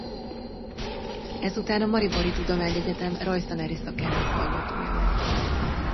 Ezután a Maribori Tudományegyetem Rajztanári Szakának hallgatója lett.